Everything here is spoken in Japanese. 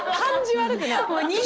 悪くない！